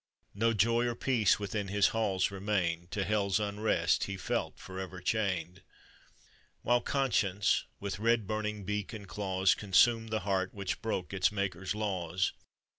No joy or peace within hi? halls remained, To Hell's unrest he felt forever chained; While Conscience, with red burning l*ak and claws, Consumed the heart which broke ite Maker's laws.